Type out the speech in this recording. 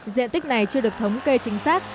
diện tích này chưa được thống kê chính xác